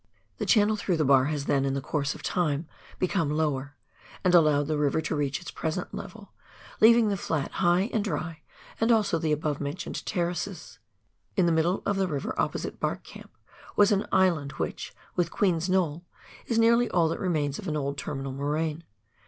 The channel through the bar has then, in course of time, become lower, and allowed the river to reach its present level, leaving the flat high and dry, and also the above mentioned terraces. In the middle of the river opposite " Bark " Camp, was an island, which, with Queen's Knoll, is nearly all that remains of an old terminal moraine.